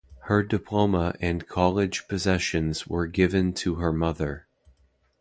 Her diploma and college possessions were given to her mother.